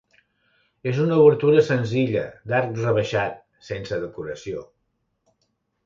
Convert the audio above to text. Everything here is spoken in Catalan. És una obertura senzilla, d'arc rebaixat, sense decoració.